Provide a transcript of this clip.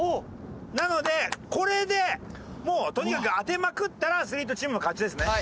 なのでこれでもうとにかく当てまくったらアスリートチームの勝ちですね。